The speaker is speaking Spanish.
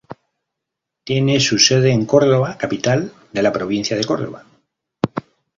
Tiene su sede en Córdoba, capital de la provincia de Córdoba.